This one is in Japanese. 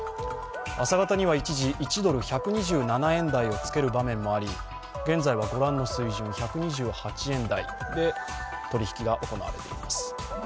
朝方には一時１ドル＝１２７円台をつける場面もあり現在は御覧の水準１２８円台で取引が行われています。